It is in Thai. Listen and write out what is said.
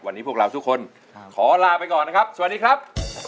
วันนี้พวกเราทุกคนขอลาไปก่อนนะครับสวัสดีครับ